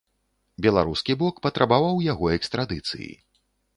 Беларускі бок патрабаваў яго экстрадыцыі.